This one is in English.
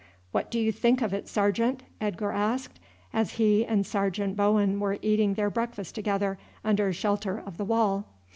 "What do you think of it, sergeant?" Edgar asked, as he and Sergeant Bowen were eating their breakfast together under shelter of the wall.